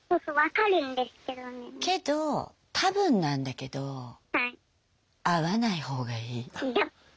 けど多分なんだけど会わない方がいい。